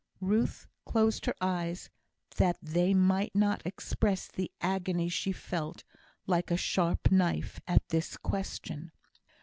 Ruth closed her eyes, that they might not express the agony she felt, like a sharp knife, at this question.